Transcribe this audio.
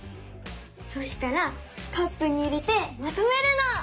そしたらカップに入れてまとめるの！